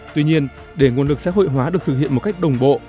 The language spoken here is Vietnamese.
tuy nhiên để nguồn lực xã hội hóa được thực hiện một cách đồng bộ